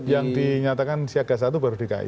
yang dinyatakan siaga satu baru dki